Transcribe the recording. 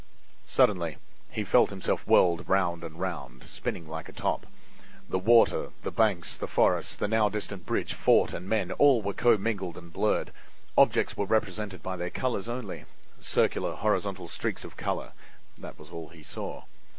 Suddenly he felt himself whirled round and round—spinning like a top. The water, the banks, the forests, the now distant bridge, fort and men, all were commingled and blurred. Objects were represented by their colors only; circular horizontal streaks of color—that was all he saw.